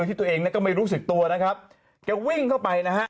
ที่ตัวเองเนี่ยก็ไม่รู้สึกตัวนะครับแกวิ่งเข้าไปนะฮะ